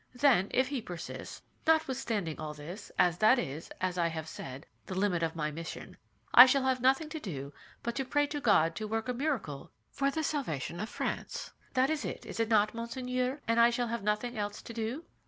Then, if he persists, notwithstanding all this—as that is, as I have said, the limit of my mission—I shall have nothing to do but to pray God to work a miracle for the salvation of France. That is it, is it not, monseigneur, and I shall have nothing else to do?"